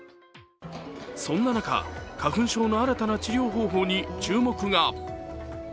そんな中、花粉症の新たな治療方法に注目が。